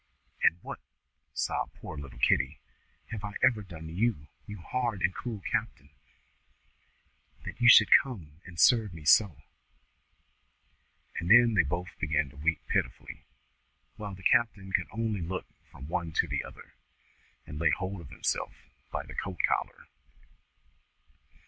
"And what," sobbed the poor little Kitty, "have I ever done to you, you hard and cruel captain, that you should come and serve me so?" And then they both began to weep most pitifully, while the captain could only look from the one to the other, and lay hold of himself by the coat collar.